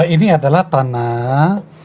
ini adalah tanah